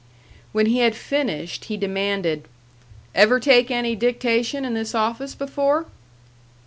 When he had finished he demanded, "Ever take any dictation in this office before?"